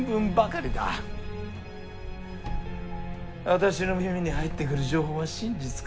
私の耳に入ってくる情報は真実か？